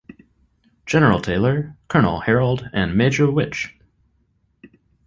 General Taylor, Colonel Harrold and Major Wich.